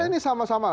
jadi ini sama sama